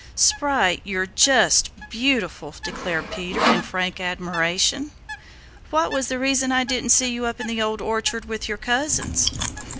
"Sprite, you're just beautiful," declared Peter in frank admiration. "What was the reason I didn't see you up in the Old Orchard with your cousins?"